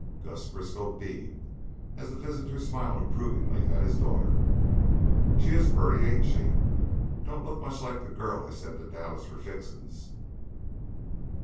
Gus Briskow beamed as the visitor smiled approvingly at his daughter. "She is purty, ain't she? Don't look much like the girl I sent to Dallas for fixin's."